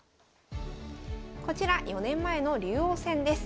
こちら４年前の竜王戦です。